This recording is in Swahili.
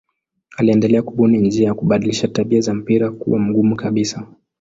Aliendelea kubuni njia ya kubadilisha tabia za mpira kuwa mgumu kabisa.